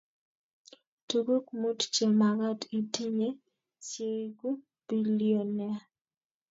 Tukuk mut chemagat itinye sieku bilionea